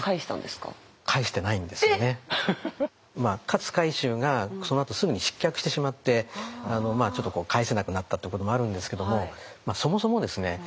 勝海舟がそのあとすぐに失脚してしまってちょっと返せなくなったということもあるんですけどもそもそもですね